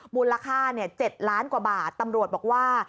มูลค่า๗ล้านกว่าบาทตำรวจบอกว่า